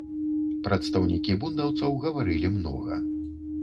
Прадстаўнікі бундаўцаў гаварылі многа.